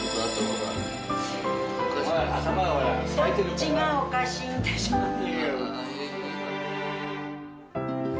どっちがおかしいんでしょうね。